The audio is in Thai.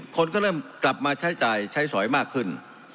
คนก็เริ่มกลับมาใช้จ่ายใช้สอยมากขึ้น